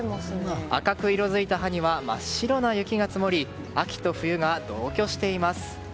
赤く色づいた葉には真っ白な雪が積もり秋と冬が同居しています。